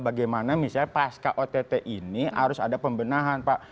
bagaimana misalnya pas kott ini harus ada pembenahan pak